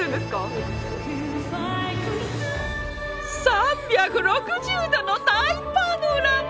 ３６０度の大パノラマ！